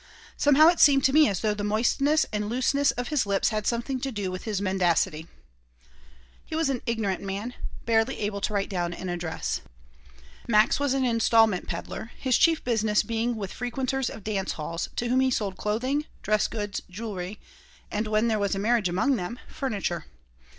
Somehow it seemed to me as though the moistness and looseness of his lips had something to do with his mendacity He was an ignorant man, barely able to write down an address Max was an instalment peddler, his chief business being with frequenters of dance halls, to whom he sold clothing, dress goods, jewelry, and when there was a marriage among them furniture.